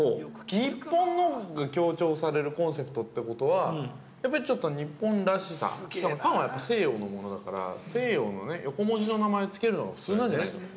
「日本の」が強調されるコンセプトってことは、やっぱり、ちょっと日本らしさしかもパンは西洋のものだから、西洋の横文字の名前をつけるのが普通なんじゃないかと。